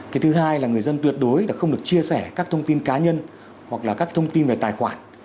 cái thứ hai là người dân tuyệt đối không được chia sẻ các thông tin cá nhân hoặc là các thông tin về tài khoản